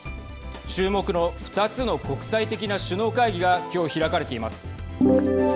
注目の２つの国際的な首脳会議がきょう開かれています。